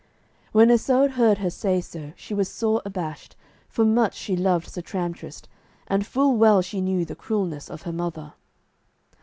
When Isoud heard her say so she was sore abashed, for much she loved Sir Tramtrist, and full well she knew the cruelness of her mother.